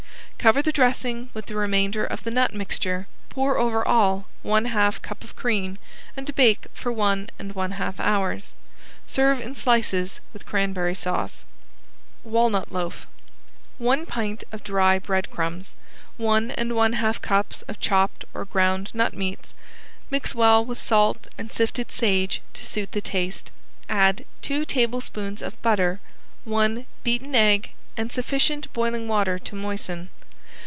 Cover the dressing with the remainder of the nut mixture, pour over all one half cup of cream, and bake for one and one half hours. Serve in slices with cranberry sauce. ~WALNUT LOAF~ One pint of dry breadcrumbs, one and one half cups of chopped or ground nut meats, mix well with salt and sifted sage to suit the taste, add two tablespoons of butter, one beaten egg and sufficient boiling water to moisten.